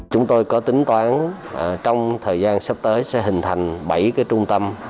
chúng tôi có tính toán trong thời gian sắp tới sẽ hình thành bảy trung tâm